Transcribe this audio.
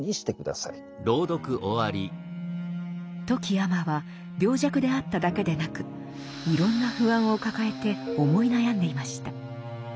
富木尼は病弱であっただけでなくいろんな不安を抱えて思い悩んでいました。